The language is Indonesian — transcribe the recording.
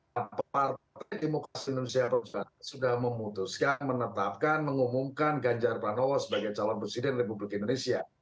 dan partai partai demokrasi indonesia atau tidak sudah memutuskan menetapkan mengumumkan ganjar panowo sebagai calon presiden republik indonesia